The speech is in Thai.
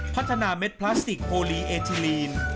พัฒนาเม็ดพลาสติกโอลีเอทีลีน